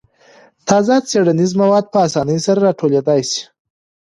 تازه څېړنیز مواد په اسانۍ سره راټولېدای شي.